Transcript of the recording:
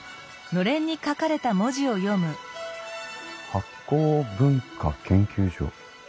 「醗酵文化研究所」。